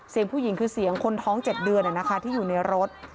เสียงผู้หญิงคือเสียงคนท้อง๗เดือนที่อยู่ในรถ